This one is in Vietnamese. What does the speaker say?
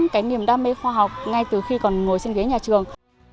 cái niềm đam mê khoa học ngay từ khi còn ngồi trên ghế nhà trường